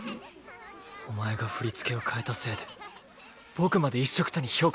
お前が振り付けを変えたせいで僕まで一緒くたに評価されたじゃないか。